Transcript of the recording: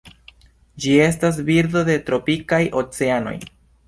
Ĝi estas birdo de tropikaj oceanoj.